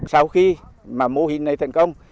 sau khi mà mô hình này thành công